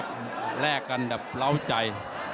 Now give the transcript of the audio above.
เปล่าใจ